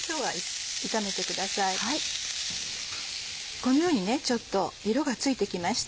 このようにちょっと色がついてきました。